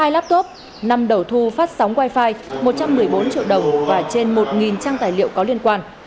hai laptop năm đầu thu phát sóng wifi một trăm một mươi bốn triệu đồng và trên một trang tài liệu có liên quan